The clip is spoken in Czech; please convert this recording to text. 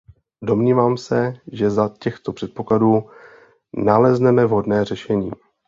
Domnívám se, že za těchto předpokladů nalezneme vhodné řešení.